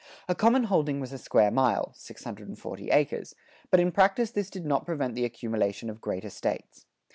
A common holding was a square mile (640 acres), but in practice this did not prevent the accumulation of great estates.